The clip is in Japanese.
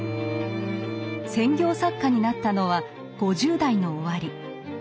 専業作家になったのは５０代の終わり。